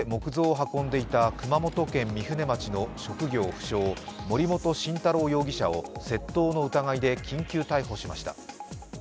警察は車で木像を運んでいた熊本県御船町の職業不詳、森本晋太郎容疑者を窃盗の疑いで緊急逮捕しました。